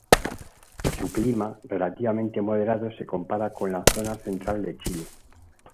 Su clima relativamente moderado se compara con la zona central de Chile.